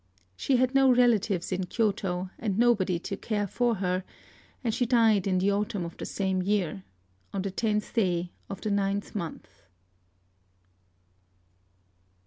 She had no relatives in Kyôto, and nobody to care for her; and she died in the autumn of the same year, on the tenth day of the ninth month...."